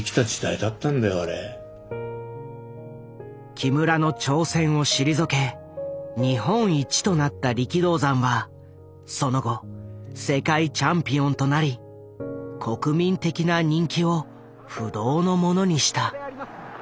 木村の挑戦を退け日本一となった力道山はその後世界チャンピオンとなり国民的な人気を不動のものにした。